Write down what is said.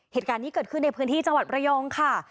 เหตุการณ์นี้เกิดขึ้นในพื้นที่จังหวัดระยองค่ะ